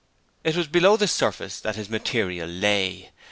It was below the surface that his material lay.